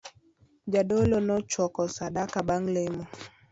Jadolo nochoko sadaka bang' lemo